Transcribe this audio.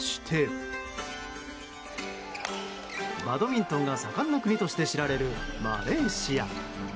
バドミントンが盛んな国として知られるマレーシア。